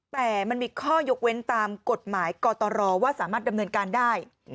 แต่มันมีข้อยกเว้นตามกฎหมายกตรว่าสามารถดำเนินการได้